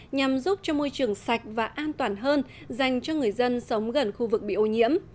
nhằm giúp cho môi trường sạch và an toàn hơn dành cho người dân sống gần khu vực bị ô nhiễm